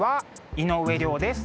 井上涼です。